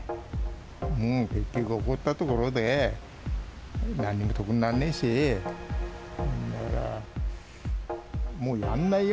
もう結局、怒ったところで、なんにも得になんないし。